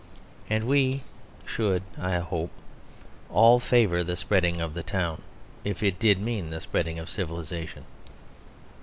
And we should (I hope) all favour the spreading of the town if it did mean the spreading of civilisation.